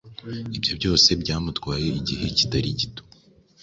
Ibyo byose byamutwaye igihe kitari gito